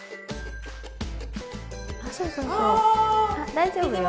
大丈夫よ。